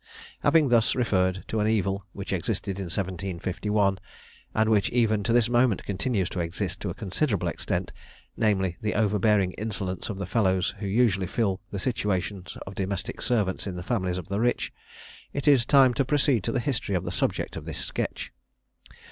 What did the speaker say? Having thus referred to an evil which existed in 1751, and which even to this moment continues to exist to a considerable extent, namely the over bearing insolence of the fellows who usually fill the situations of domestic servants in the families of the rich, it is time to proceed to the history of the subject of this sketch.